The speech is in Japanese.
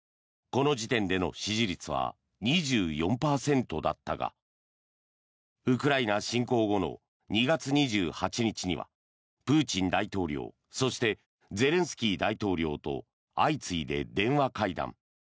この時点での支持率は２４％だったがウクライナ侵攻後の２月２８日にはプーチン大統領そしてゼレンスキー大統領と相次いで電話会談。